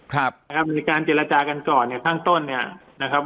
ครับนะครับในการเจรจากันก่อนเนี่ยข้างต้นเนี่ยนะครับ